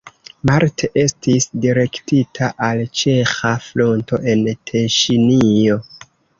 Marte estis direktita al ĉeĥa fronto en Teŝinio.